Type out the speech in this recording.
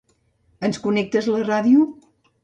Ens connectes la ràdio?